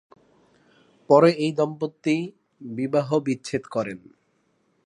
পরে এই দম্পতি বিবাহবিচ্ছেদ করেন।